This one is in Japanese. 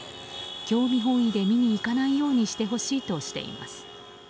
興味本位で見に行かないようにしてほしいとしています。